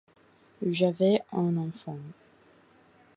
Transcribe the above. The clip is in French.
J'avais un enfant!